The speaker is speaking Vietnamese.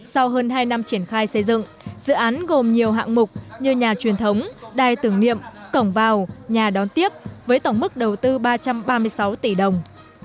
sau hơn hai năm triển khai xây dựng dự án gồm nhiều hạng mục như nhà truyền thống đài tưởng niệm cổng vào nhà đón tiếp với tổng mức đầu tư ba trăm ba mươi sáu tỷ đồng